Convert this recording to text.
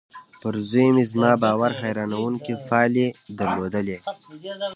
پر زوی مې زما باور حيرانوونکې پايلې درلودې.